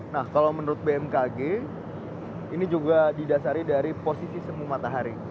nah kalau menurut bmkg ini juga didasari dari posisi semu matahari